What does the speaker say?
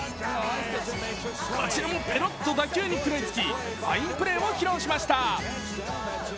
こちらもペロッと打球に食らいつき、ファインプレーを披露しました。